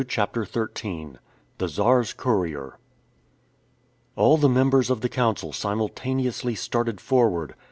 CHAPTER XIII THE CZAR'S COURIER ALL the members of the council simultaneously started forward.